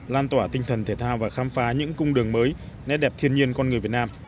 lan tỏa tinh thần thể thao và khám phá những cung đường mới nét đẹp thiên nhiên con người việt nam